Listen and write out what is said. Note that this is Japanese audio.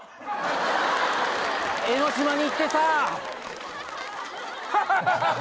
江の島に行ってさぁ。